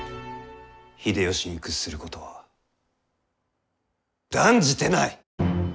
秀吉に屈することは断じてない！